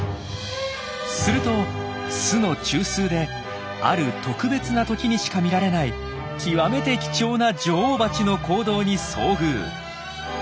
すると巣の中枢である特別な時にしか見られない極めて貴重な女王バチの行動に遭遇。